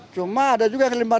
cuma ada juga kelimpahan